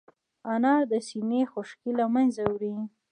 انار د سينې خشکي له منځه وړي.